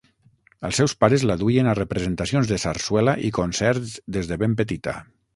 Els seus pares la duien a representacions de sarsuela i concerts des de ben petita.